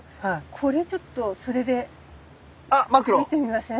これちょっとそれで見てみません？